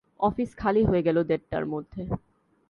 Office খালি হয়ে গেল দেড়টার মধ্যে।